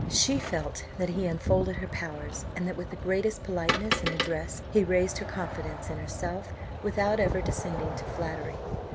She felt that he unfolded her powers, and that with the greatest politeness and address he raised her confidence in herself, without ever descending to flattery.